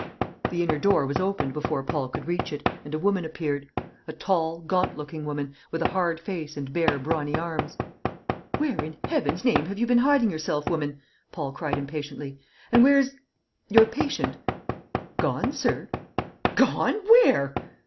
The inner door was opened before Paul could reach it, and a woman appeared; a tall, gaunt looking woman, with a hard face and bare, brawny arms. "Where, in Heaven's name, have you been hiding yourself, woman?" Paul cried impatiently. "And where's your patient?" "Gone, sir." "Gone! Where?"